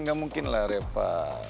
gak mungkin lah repa